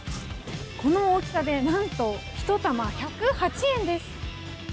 この大きさで何と、１玉１０８円です。